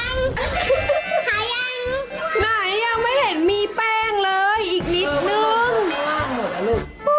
หน่ายังไม่เห็นมีแป้งเลยอีกนิดนึง